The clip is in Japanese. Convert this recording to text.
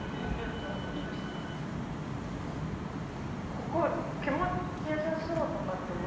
ここ気持ちよさそうとかって思います？